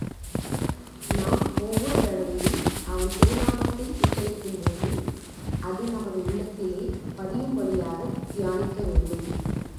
நாம் ஒவ்வொரு தடவையும் அவன் திருநாமத்தை உச்சரிக்கும்போது அது நமது உள்ளத்திலே பதியும்படியாகத் தியானிக்க வேண்டும்.